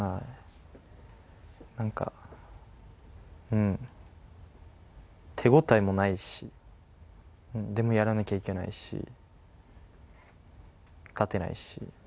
なんか、うん、手応えもないし、でもやらなきゃいけないし、勝てないし。